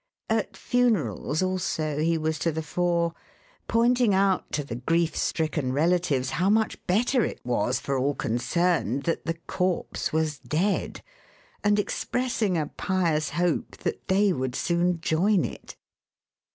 At funerals, also, he was to the fore, pointing out to the grief stricken relatives how much better it was for all concerned that the corpse was dead, and expressing a pious hope that they would soon join it.